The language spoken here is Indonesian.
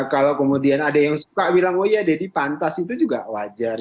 kalau kemudian ada yang suka bilang oh ya deddy pantas itu juga wajar